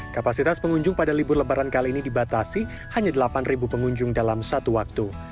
kapasitas pengunjung pada libur lebaran kali ini dibatasi hanya delapan pengunjung dalam satu waktu